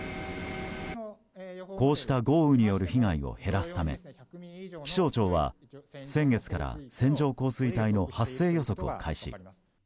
こうした豪雨による被害を減らすため気象庁は、先月から線状降水帯の発生予測を開始。